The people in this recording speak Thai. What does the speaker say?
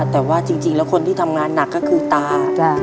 แต่ว่าจริงแล้วคนที่ทำงานหนักก็คือตา